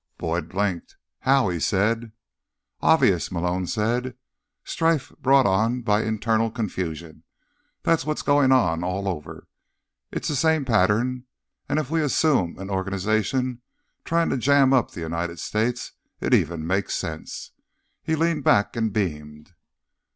Boyd blinked. "How?" he said. "Obvious," Malone said. "Strife brought on by internal confusion, that's what's going on all over. It's the same pattern. And if we assume an organization trying to jam up the United States, it even makes sense." He leaned back and beamed.